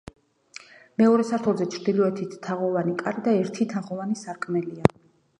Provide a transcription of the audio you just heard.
მეორე სართულზე ჩრდილოეთით თაღოვანი კარი და ერთი თაღოვანი სარკმელია.